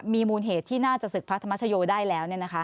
มีมูลเหตุที่น่าจะศึกพระธรรมชโยได้แล้ว